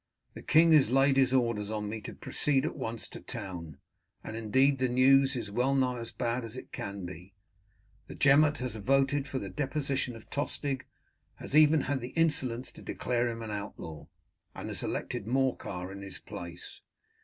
"The king has laid his orders on me to proceed at once to town, and indeed the news is well nigh as bad as can be. The Gemot has voted the deposition of Tostig, has even had the insolence to declare him an outlaw, and has elected Morcar in his place.